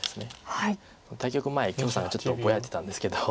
対局前許さんがちょっとぼやいてたんですけど。